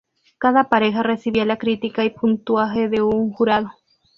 Cada pareja recibía la crítica y puntaje de un jurado.